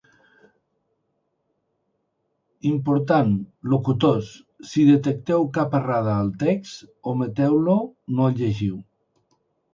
Important, locutors: si detecteu cap errada al text, ometeu-lo, no el llegiu!